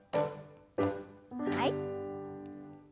はい。